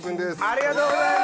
ありがとうございます！